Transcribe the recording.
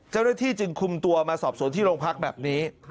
เจ้าหน้าที่จึงคุมตัวมาสอบสวนที่โรงพักแบบนี้